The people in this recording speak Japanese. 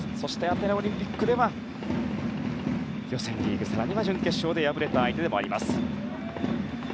アテネオリンピックでは予選リーグ、更には準決勝で敗れた相手でもあります。